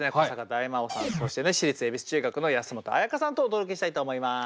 大魔王さんそしてね私立恵比寿中学の安本彩花さんとお届けしたいと思います。